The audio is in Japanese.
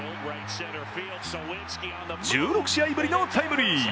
１６試合ぶりのタイムリー。